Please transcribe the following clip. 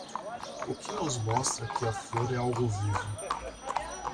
O que nos mostra que a flor é algo vivo?